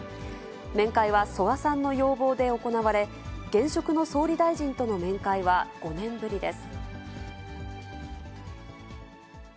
面会は曽我さんの要望で行われ、現職の総理大臣との面会は５年ぶりです。